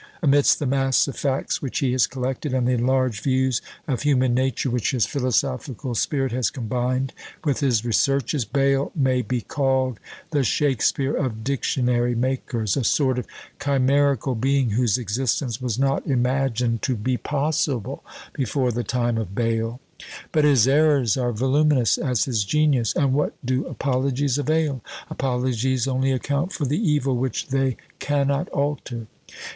Amidst the mass of facts which he has collected, and the enlarged views of human nature which his philosophical spirit has combined with his researches, Bayle may be called the Shakspeare of dictionary makers; a sort of chimerical being, whose existence was not imagined to be possible before the time of Bayle. But his errors are voluminous as his genius! and what do apologies avail? Apologies only account for the evil which they cannot alter!